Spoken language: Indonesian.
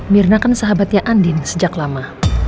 mirna kan sahabatnya andin sejak lama